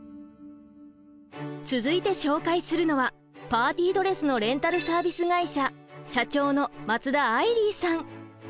続いて紹介するのはパーティードレスのレンタル・サービス会社社長の松田愛里さん。